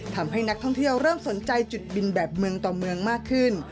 ทำให้นักท่องเที่ยวเริ่มสนใจจุดบินแบบเมืองต่อเมืองมากขึ้น